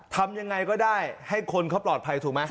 ทำยังไงก็ได้ให้คนเขาปลอดภัยถูกไหม